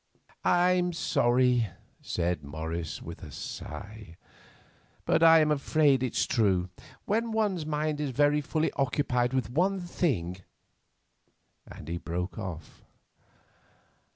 "I am sorry," said Morris, with a sigh, "but I am afraid it is true. When one's mind is very fully occupied with one thing——" and he broke off.